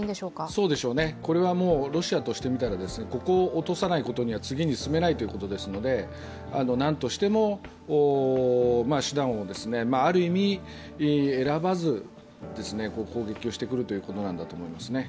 そうでしょうね、ロシアとしてみたら、ここを落とさないことには次に進めないということですので、なんとしても手段をある意味選ばず攻撃をしてくるということなんだと思います。